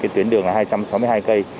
tuyến đường là hai trăm sáu mươi hai cây